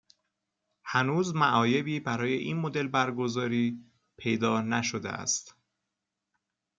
هنوز معایبی برای این مدل برگزاری پیدا نشده است.